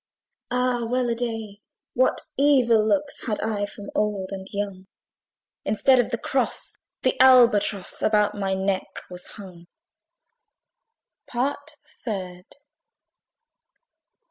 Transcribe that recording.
Ah! well a day! what evil looks Had I from old and young! Instead of the cross, the Albatross About my neck was hung. PART THE THIRD.